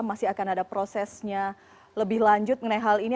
masih akan ada prosesnya lebih lanjut mengenai hal ini